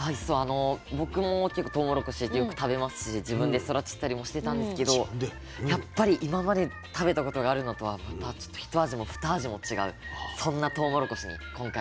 僕も結構とうもろこしってよく食べますし自分で育ててたりもしてたんですけどやっぱり今まで食べたことがあるのとはまたひと味もふた味も違うそんなとうもろこしに今回は出会いましたね。